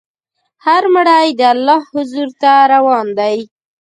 هر مړی د الله حضور ته روان دی.